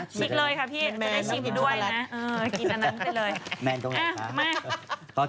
ชิกเลยค่ะพี่สุดครู่นะมีไปไหนนะคะค่ะเอาเลยมา